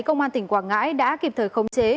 công an tỉnh quảng ngãi đã kịp thời khống chế